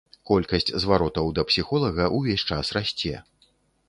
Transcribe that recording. Колькасць зваротаў да псіхолага ўвесь час расце.